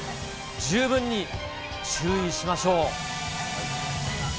十分に注意しましょう。